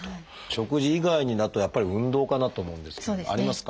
食事以外になるとやっぱり運動かなと思うんですけどありますか？